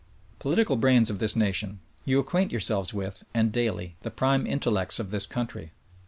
Political brains of this nation: You acquaint yourselves with, and daily, the prime intellects of this country.